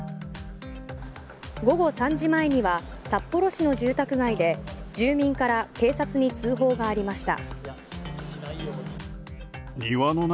午後３時前には札幌市の住宅街で住民から警察に通報がありました。